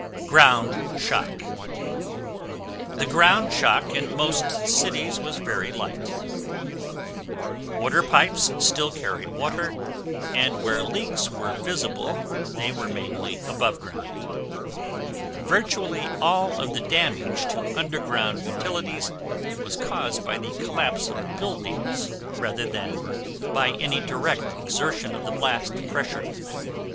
GROUND SHOCK The ground shock in most cities was very light. Water pipes still carried water and where leaks were visible they were mainly above ground. Virtually all of the damage to underground utilities was caused by the collapse of buildings rather than by any direct exertion of the blast pressure.